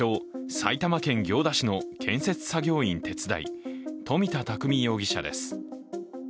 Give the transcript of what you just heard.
・埼玉県行田市の建設作業員手伝い、富田匠容疑者です。